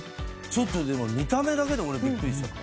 ちょっとでも見た目だけで俺ビックリしちゃった。